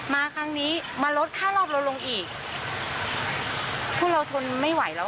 มาครั้งนี้มาลดค่ารอบเราลงอีกพวกเราทนไม่ไหวแล้ว